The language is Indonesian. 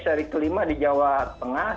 seri kelima di jawa tengah